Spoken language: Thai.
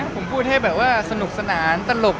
ผมพูดให้แบบว่าสนุกสนานตลก